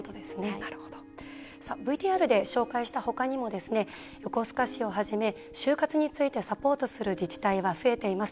ＶＴＲで紹介した他にも横須賀市をはじめ終活についてサポートする自治体は増えています。